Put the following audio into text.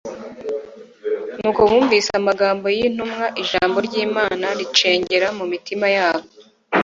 Nuko bumvise amagambo y'intumwa, Ijambo ry'Imana ricengera mu mitima yabo